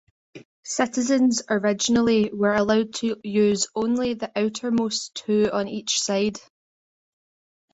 Citizens originally were allowed to use only the outermost two on each side.